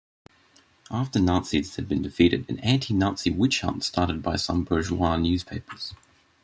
After Nazis been defeated, an anti-Nazi witch-hunt started by some bourgeois newspapers.